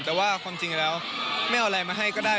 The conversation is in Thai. แต่ว่าความจริงแล้วไม่เอาอะไรมาให้ก็ได้